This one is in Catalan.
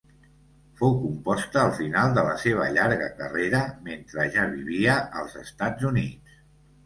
Fou composta al final de la seva llarga carrera, mentre ja vivia als Estats Units.